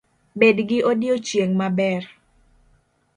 Bed gi odiochieng’ maber